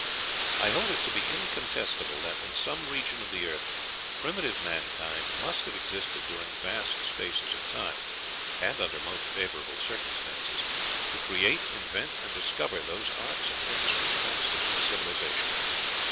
I hold it to be incontestable that, in some region of the earth, primitive mankind must have existed during vast spaces of time, and under most favorable circumstances, to create, invent, and discover those arts and things which constitute civilization.